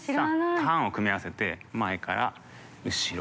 ターンを組み合わせて前から後ろ。